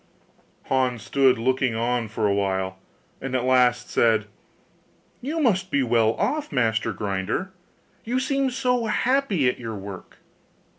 Hans stood looking on for a while, and at last said, 'You must be well off, master grinder! you seem so happy at your work.